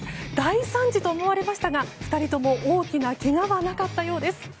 大惨事と思われましたが２人とも大きなけがはなかったようです。